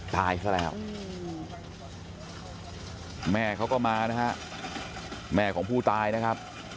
ตายซะแล้วแม่เขาก็มานะฮะแม่ของผู้ตายนะครับ